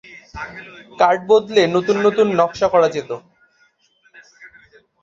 Card বদলে নতুন নতুন নকশা করা যেত।